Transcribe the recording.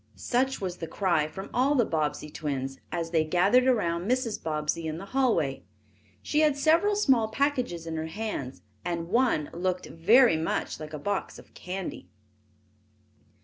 Such was the cry from all of the Bobbsey twins, as they gathered around Mrs. Bobbsey in the hallway. She had several small packages in her hands, and one looked very much like a box of candy.